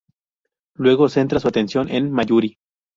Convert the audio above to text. Luego centra su atención en Mayuri.